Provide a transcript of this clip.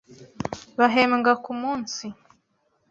Bahembwa kumunsi.